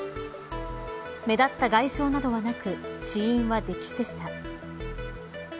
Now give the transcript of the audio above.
目立った外傷などはなく死因は溺死でした。